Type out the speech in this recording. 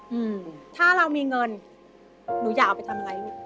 อืมถ้าเรามีเงินหนูอยากเอาไปทำอะไรลูก